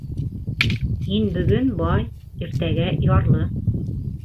Һин бөгөн бай, иртәгә ярлы.